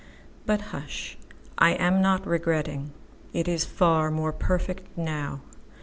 But hush, I am not regretting:It is far more perfect now.